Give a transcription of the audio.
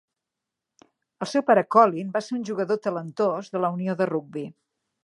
El seu pare Colin va ser un jugador talentós de la unió de rugbi.